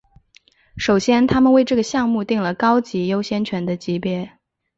首先他们为这个项目订了高级优先权的级别。